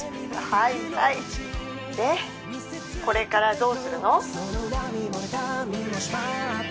☎はいはい☎でこれからどうするの？